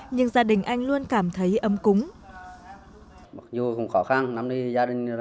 nhưng gia đình anh luôn cảm thấy ấm cúng